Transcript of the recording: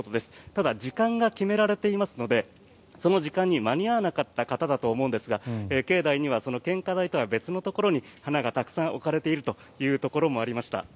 ただ時間が決められていますのでその時間に間に合わなかった方だと思うんですが境内には献花台とは別のところに花がたくさん置かれているというところもありました。